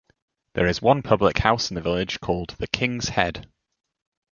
There is one public house in the village called 'The Kings Head'.